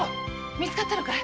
見つかったのかい？